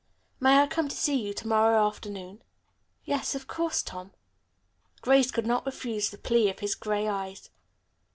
"May I come to see you to morrow afternoon?" "Yes, of course, Tom." Grace could not refuse the plea of his gray eyes.